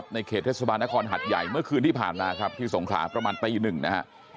ในเขตเทศบาลนครหัดใหญ่เมื่อคืนที่ผ่านมาครับที่สงขลาประมาณตีหนึ่งนะฮะ